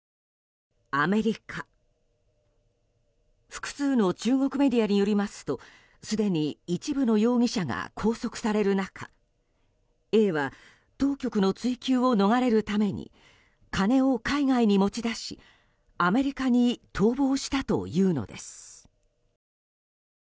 複数の中国メディアによりますとすでに一部の容疑者が拘束される中Ａは当局の追及を逃れるために金を海外に持ち出し、アメリカに逃亡したというのです。